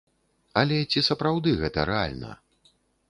Але ці сапраўды гэта рэальна?